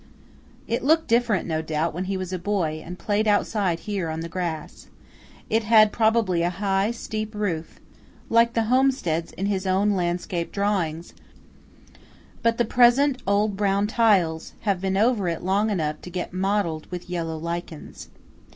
It looked different, no doubt, when he was a boy and played outside here on the grass. It had probably a high, steep roof, like the homesteads in his own landscape drawings; but the present old brown tiles have been over it long enough to get mottled with yellow lichens.